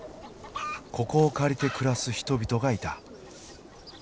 ここを借りて暮らす人々がいた。